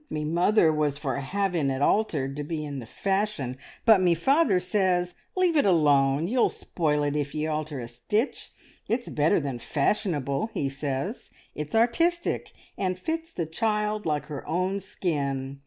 Me mother was for having it altered to be in the fashion, but me father says, `Leave it alone; you'll spoil it if ye alter a stitch! It's better than fashionable,' he says, `it's artistic, and fits the child like her own skin.'